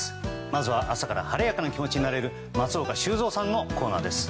まずは、朝から晴れやかな気持ちになれる松岡修造さんのコーナーです。